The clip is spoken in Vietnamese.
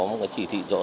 một chỉ thị giãn cách